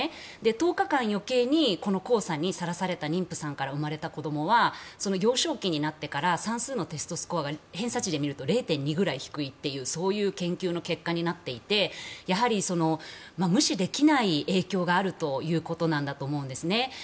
１０日間余計に黄砂にさらされた妊婦さんから生まれた子どもは幼少期になってから算数のテストスコアが偏差値で見ると０．２ぐらい低いという研究結果になっていて無視できない影響があるということなんだと思うんです。